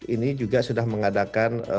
ini juga sudah mengadakan